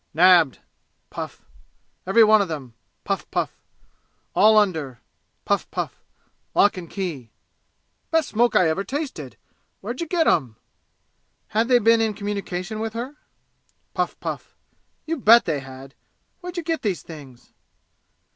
"Nabbed" puff "every one of 'em!" puff puff "all under" puff puff "lock and key, best smoke I ever tasted where d'you get 'em?" "Had they been in communication with her?" Puff puff "You bet they had! Where d'you get these things?"